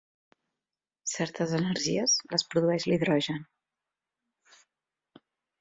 Certes energies les produeix l'hidrogen.